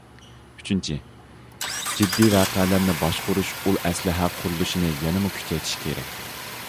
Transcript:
ئۈچىنچى، جىددىي ۋەقەلەرنى باشقۇرۇش ئۇل ئەسلىھە قۇرۇلۇشىنى يەنىمۇ كۈچەيتىش كېرەك.